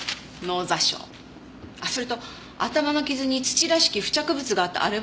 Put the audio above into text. あっそれと頭の傷に土らしき付着物があったあれは？